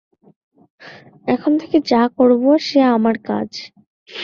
এখন থেকে যা করব, সে আমার কাজ।